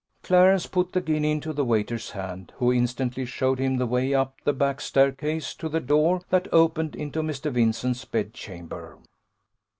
Clarence put the guinea into the waiter's hand, who instantly showed him the way up the back staircase to the door that opened into Mr. Vincent's bed chamber.